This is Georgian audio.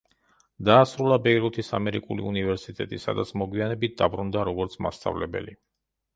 დაასრულა ბეირუთის ამერიკული უნივერსიტეტი, სადაც მოგვიანებით დაბრუნდა როგორც მასწავლებელი.